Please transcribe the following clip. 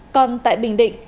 còn tại bình định